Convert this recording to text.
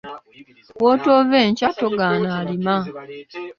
Wootoove nkya, togaana alima.